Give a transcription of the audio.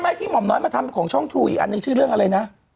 ที่หม่อมน้อยมาทำของช่องทรูอีกอันนึงชื่อเรื่องอะไรนะ